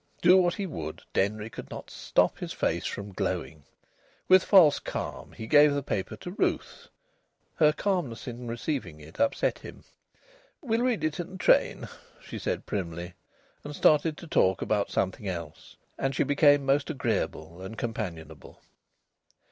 Do what he would, Denry could not stop his face from glowing. With false calm he gave the paper to Ruth. Her calmness in receiving it upset him. "We'll read it in the train," she said primly, and started to talk about something else. And she became most agreeable and companionable.